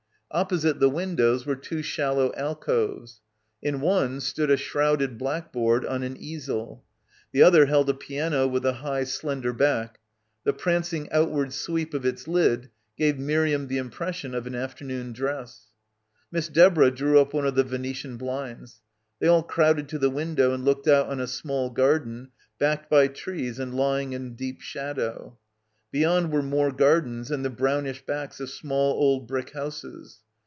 Opposite the windows were two shallow alcoves. In one stood a shrouded blackboard on an easel. The other held a piano with a high slender back. The prancing — 13 — PILGRIMAGE outward sweep of its lid gave Miriam the impres sion of an afternoon dress. Miss Deborah drew up one of the Venetian blinds. They all crowded to the window and looked out on a small garden backed by trees and lying in deep shadow. Beyond were more gardens and the brownish backs of small old brick houses.